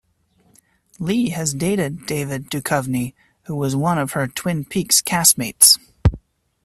Lee has dated David Duchovny, who was one of her "Twin Peaks" cast-mates.